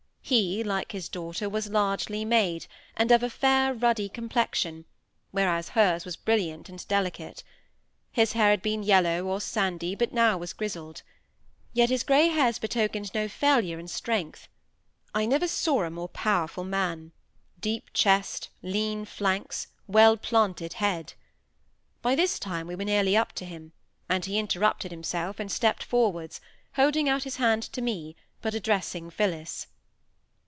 He, like his daughter, was largely made, and of a fair, ruddy complexion, whereas hers was brilliant and delicate. His hair had been yellow or sandy, but now was grizzled. Yet his grey hairs betokened no failure in strength. I never saw a more powerful man—deep chest, lean flanks, well planted head. By this time we were nearly up to him; and he interrupted himself and stepped forwards; holding out his hand to me, but addressing Phillis.